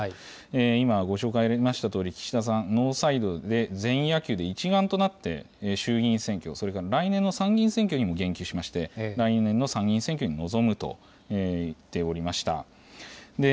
今、ご紹介ありましたとおり、岸田さん、ノーサイドで、全員野球で一丸となって衆議院選挙、それから来年の参議院選挙にも言及しまして、来年の参議院選挙に臨むと言っておりました。